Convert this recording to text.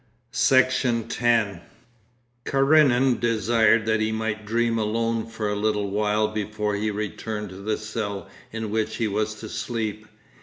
Section 10 Karenin desired that he might dream alone for a little while before he returned to the cell in which he was to sleep.